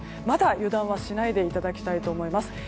まだ油断はしないでいただきたいと思います。